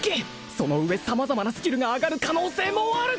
その上様々なスキルが上がる可能性もある！